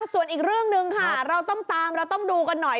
ส่วนอีกเรื่องหนึ่งค่ะเราต้องตามเราต้องดูกันหน่อย